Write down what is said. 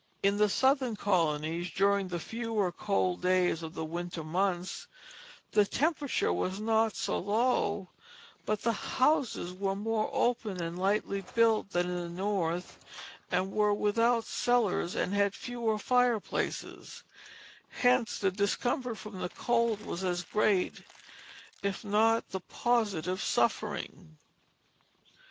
In the Southern colonies, during the fewer cold days of the winter months, the temperature was not so low, but the houses were more open and lightly built than in the North, and were without cellars, and had fewer fireplaces; hence the discomfort from the cold was as great, if not the positive suffering.